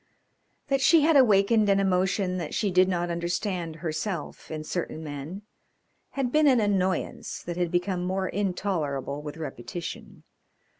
That she had awakened an emotion that she did not understand herself in certain men had been an annoyance that had become more intolerable with repetition.